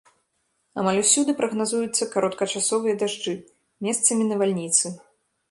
Амаль усюды прагназуюцца кароткачасовыя дажджы, месцамі навальніцы.